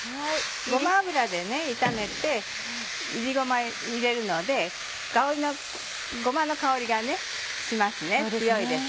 ごま油で炒めて炒りごま入れるのでごまの香りがしますね強いです。